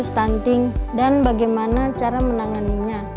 apa itu stunting dan bagaimana cara menanganinya